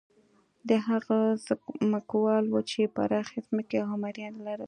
دا هغه ځمکوال وو چې پراخې ځمکې او مریان یې لرل.